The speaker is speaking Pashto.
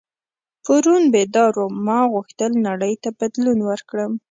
پرون بیدار وم ما غوښتل نړۍ ته بدلون ورکړم.